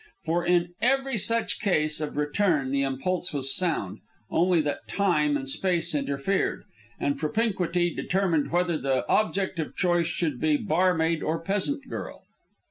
For in every such case of return, the impulse was sound, only that time and space interfered, and propinquity determined whether the object of choice should be bar maid or peasant girl.